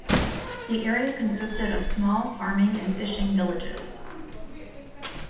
The area consisted of small farming and fishing villages.